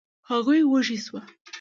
هغوی وږي شوو.